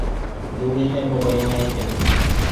Юғиһә, бабайыңа әйтербеҙ.